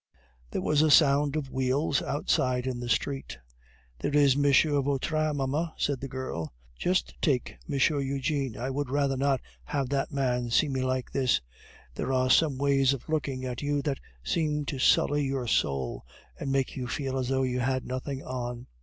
There was a sound of wheels outside in the street. "There is M. Vautrin, mamma," said the girl. "Just take M. Eugene. I would rather not have that man see me like this; there are some ways of looking at you that seem to sully your soul and make you feel as though you had nothing on."